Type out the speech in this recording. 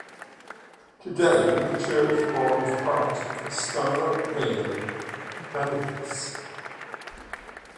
Today the church forms part of the Stour Vale Benefice.